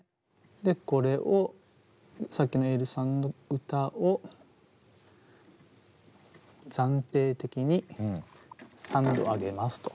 でこれをさっきのｅｉｌｌさんの歌を暫定的に３度上げますと。